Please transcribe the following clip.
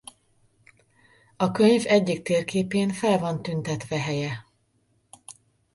A könyv egyik térképén fel van tüntetve helye.